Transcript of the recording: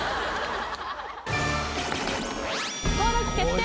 登録決定！